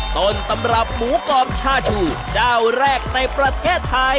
ต้นตำรับหมูกรอบชาชูเจ้าแรกในประเทศไทย